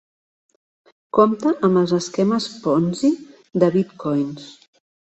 Compte amb els esquemes Ponzi de bitcoins.